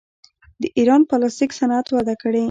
د ایران پلاستیک صنعت وده کړې.